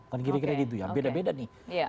kan kira kira gitu ya beda beda nih